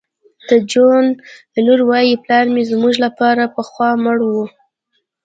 د جون لور وایی پلار مې زموږ لپاره پخوا مړ و